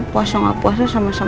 puasa gak puasa sama sama